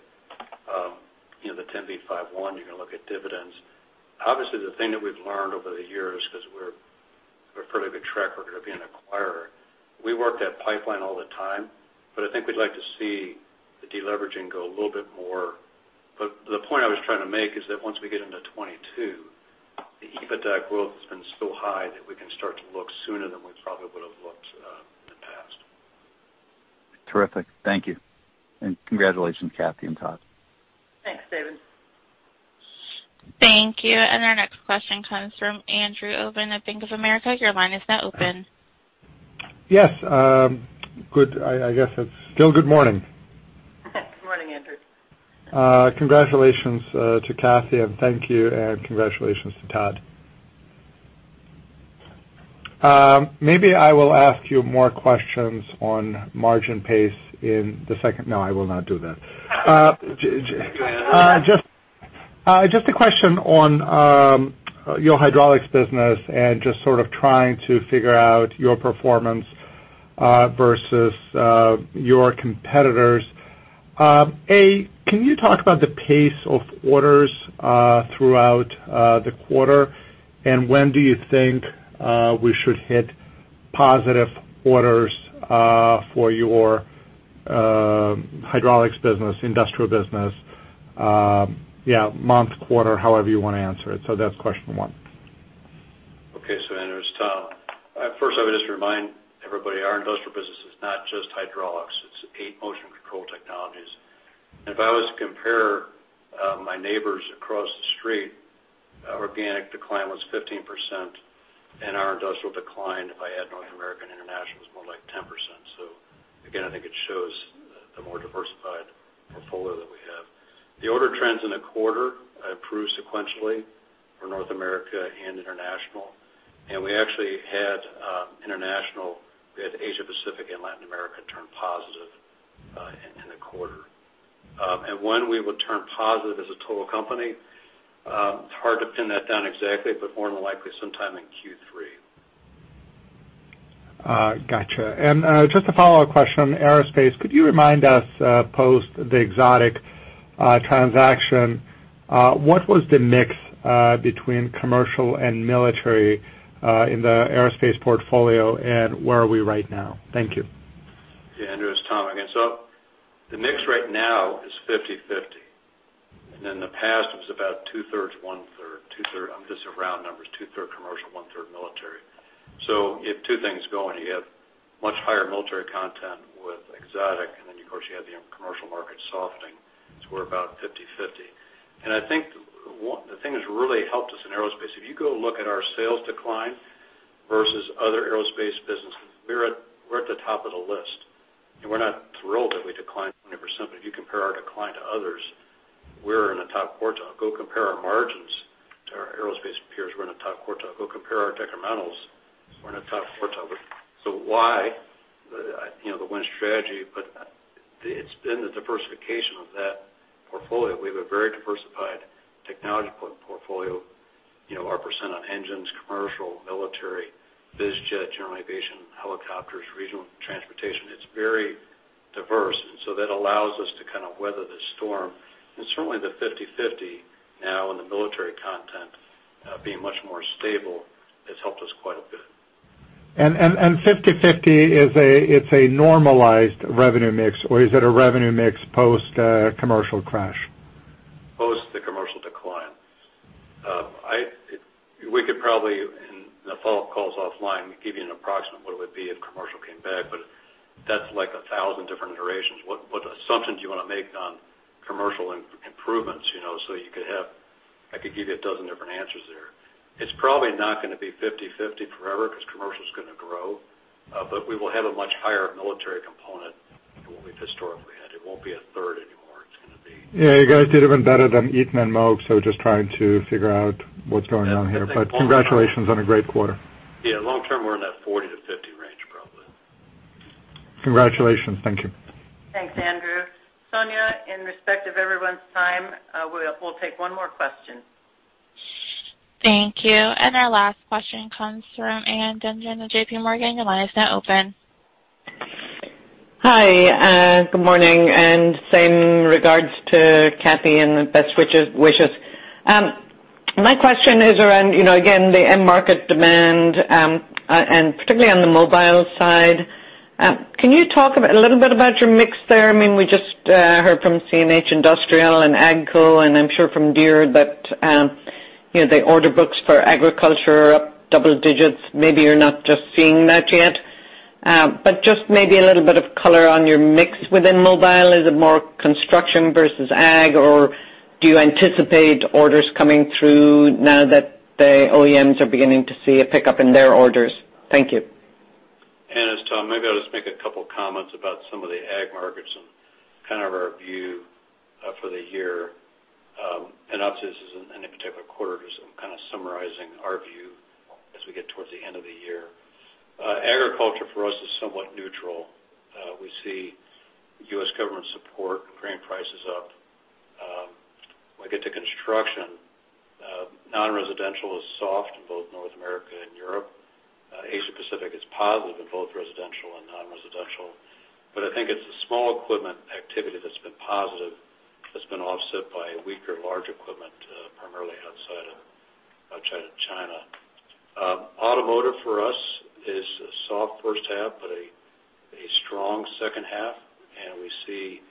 the 10b5-1. You're going to look at dividends. Obviously, the thing that we've learned over the years, because we're a fairly good track record of being an acquirer, we work that pipeline all the time. I think we'd like to see the deleveraging go a little bit more. The point I was trying to make is that once we get into 2022, the EBITDA growth has been so high that we can start to look sooner than we probably would've looked in the past. Terrific. Thank you. Congratulations, Kathy and Todd. Thanks, David. Thank you. Our next question comes from Andrew Obin at Bank of America. Your line is now open. Yes. Good. I guess it's still good morning. Good morning, Andrew. Congratulations to Cathy, and thank you, and congratulations to Todd. Maybe I will ask you more questions on margin pace in the second No, I will not do that. Just a question on your hydraulics business and just sort of trying to figure out your performance versus your competitors. A, can you talk about the pace of orders throughout the quarter, and when do you think we should hit positive orders for your hydraulics business, industrial business? Yeah, month, quarter, however you want to answer it. That's question one. Okay, Andrew. First, I would just remind everybody our industrial business is not just hydraulics, it's eight motion control technologies. If I was to compare my neighbors across the street, organic decline was 15%, and our industrial decline, if I add North American International, was more like 10%. Again, I think it shows the more diversified portfolio that we have. The order trends in the quarter improved sequentially for North America and International, and we actually had International, we had Asia Pacific and Latin America turn positive in the quarter. When we would turn positive as a total company, it's hard to pin that down exactly, but more than likely sometime in Q3. Got you. Just a follow-up question. Aerospace, could you remind us, post the Exotic transaction, what was the mix between commercial and military in the aerospace portfolio, and where are we right now? Thank you. Yeah, Andrew, it's Tom again. The mix right now is 50/50, and in the past was about 2/3, 1/3. These are round numbers, 2/3 commercial, 1/3 military. You have two things going. You have much higher military content with Exotic, and then of course, you have the commercial market softening. We're about 50/50. I think the thing that's really helped us in Aerospace, if you go look at our sales decline versus other Aerospace businesses, we're at the top of the list. We're not thrilled that we declined 20%, but if you compare our decline to others, we're in the top quartile. Go compare our margins to our Aerospace peers, we're in the top quartile. Go compare our decrementals, we're in the top quartile. Why? The Win Strategy, but it's been the diversification of that portfolio. We have a very diversified technology portfolio. Our percent on engines, commercial, military, biz jet, general aviation, helicopters, regional transportation, it's very diverse. That allows us to kind of weather the storm. Certainly the 50/50 now in the military content being much more stable has helped us quite a bit. 50/50, it's a normalized revenue mix or is it a revenue mix post commercial crash? Post the commercial decline. We could probably, in the follow-up calls offline, give you an approximate what it would be if commercial came back. That's like 1,000 different iterations. What assumptions you want to make on commercial improvements, I could give you 12 different answers there. It's probably not going to be 50/50 forever because commercial's going to grow. We will have a much higher military component than what we've historically had. It won't be 1/3 anymore. Yeah, you guys did even better than Eaton and Moog, so just trying to figure out what's going on here. Yeah, I think long term. Congratulations on a great quarter. Yeah, long term, we're in that 40-50 range probably. Congratulations. Thank you. Thanks, Andrew. Sonia, in respect of everyone's time, we'll take one more question. Thank you. Our last question comes from Ann Duignan of JPMorgan. Your line is now open. Hi, good morning, and same regards to Cathy and best wishes. My question is around, again, the end market demand, and particularly on the mobile side. Can you talk a little bit about your mix there? We just heard from CNH Industrial and AGCO, and I'm sure from Deere that the order books for agriculture are up double digits. Maybe you're not just seeing that yet. Just maybe a little bit of color on your mix within mobile. Is it more construction versus ag, or do you anticipate orders coming through now that the OEMs are beginning to see a pickup in their orders? Thank you. Ann, it's Tom. Maybe I'll just make a couple comments about some of the ag markets and kind of our view for the year. Obviously, this isn't any particular quarter, just kind of summarizing our view as we get towards the end of the year. Agriculture for us is somewhat neutral. We see U.S. Government support, grain prices up. When we get to construction, non-residential is soft in both North America and Europe. Asia Pacific is positive in both residential and non-residential. I think it's the small equipment activity that's been positive that's been offset by weaker large equipment, primarily outside of China. Automotive for us is a soft first half, but a strong second half, and we see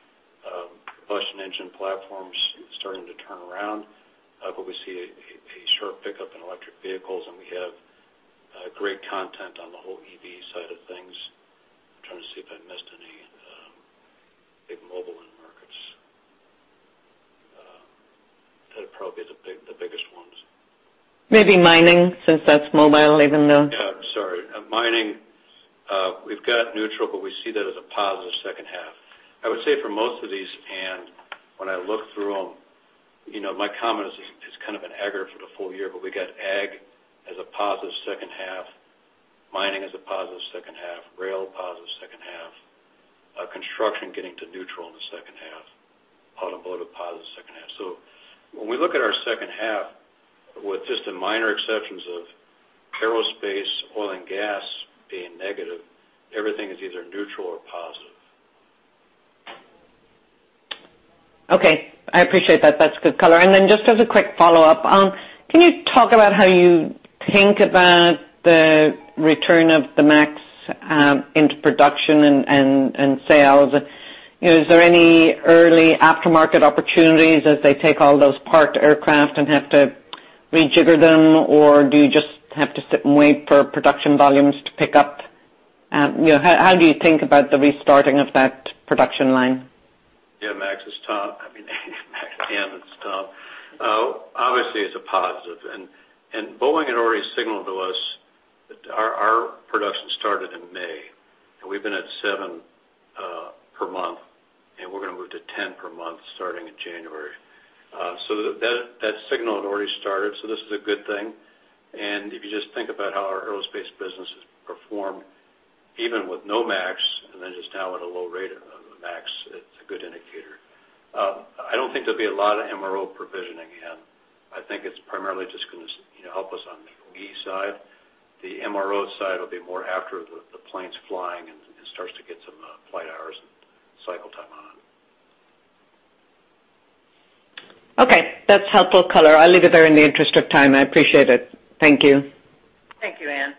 combustion engine platforms starting to turn around. We see a sharp pickup in electric vehicles, and we have great content on the whole EV side of things. I'm trying to see if I missed any big mobile end markets. That are probably the biggest ones. Maybe mining, since that's mobile, even though. Yeah, sorry. Mining, we've got neutral, but we see that as a positive second half. I would say for most of these, Ann, when I look through them, my comment is kind of an aggregate for the full year, but we got ag as a positive second half, mining as a positive second half, rail positive second half, construction getting to neutral in the second half, automotive positive second half. When we look at our second half, with just the minor exceptions of aerospace, oil and gas being negative, everything is either neutral or positive. Okay. I appreciate that. That's good color. Just as a quick follow-up, can you talk about how you think about the return of the MAX into production and sales? Is there any early aftermarket opportunities as they take all those parked aircraft and have to rejigger them, or do you just have to sit and wait for production volumes to pick up? How do you think about the restarting of that production line? Yeah. [inaudible] It's a positive. The Boeing Company had already signaled to us that our production started in May, and we've been at seven per month, and we're going to move to 10 per month starting in January. That signal had already started, so this is a good thing. If you just think about how our Aerospace Systems business has performed, even with no MAX, and then just now at a low rate of MAX, it's a good indicator. I don't think there'll be a lot of MRO provisioning, Ann. I think it's primarily just going to help us on the OE side. The MRO side will be more after the plane's flying and starts to get some flight hours and cycle time on it. Okay. That's helpful color. I'll leave it there in the interest of time. I appreciate it. Thank you. Thank you, Ann.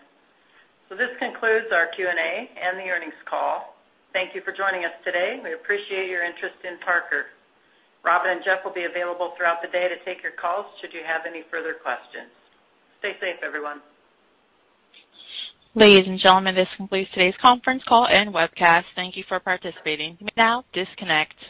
This concludes our Q&A and the earnings call. Thank you for joining us today. We appreciate your interest in Parker. Robin and Jeff will be available throughout the day to take your calls should you have any further questions. Stay safe, everyone. Ladies and gentlemen, this concludes today's conference call and webcast. Thank you for participating. You may now disconnect.